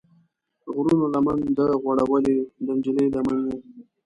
غرونو لمن ده غوړولې، د نجلۍ لمن یې